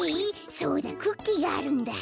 そうだクッキーがあるんだ。